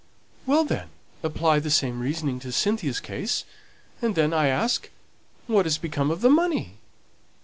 "Well, then, apply the same reasoning to Cynthia's case; and then, I ask, what has become of the money?"